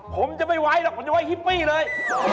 ผมจะไม่ไหวหรอกผมจะไว้ฮิปปี้เลย